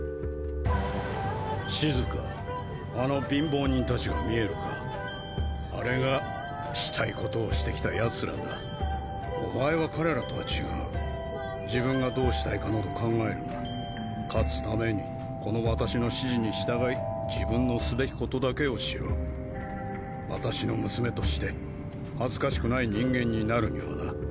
シズカあの貧乏人たちが見あれがしたいことをしてきたヤツらだお前は彼らとは違う自分がどうしたいかなど考えるな勝つためにこの私の指示に従い自分のすべきことだけをしろ私の娘として恥ずかしくない人間になるにはな。